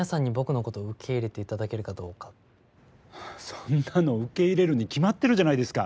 そんなの受け入れるに決まってるじゃないですか。